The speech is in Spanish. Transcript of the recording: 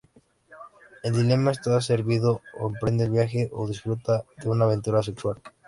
El dilema está servido: o emprende el viaje o disfruta de una aventura sexual.